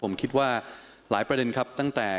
ผมคิดว่าหลายประเด็นครับตั้งแต่